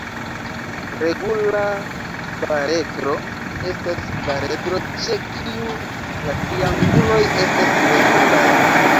Regula kvaredro estas kvaredro ĉe kiu la trianguloj estas regulaj.